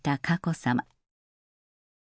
さま